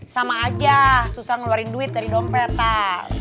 sama aja susah ngeluarin duit dari dompetan